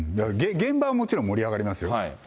現場はもちろん、盛り上がりますよ。